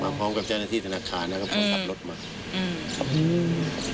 มาพร้อมกับแจ้งนาธิธนาคารนะครับเขากำลังขับรถมา